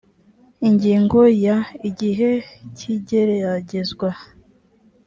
ingingo ya igihe cy igeragezwa